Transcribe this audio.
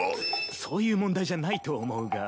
そういう問題じゃないと思うが。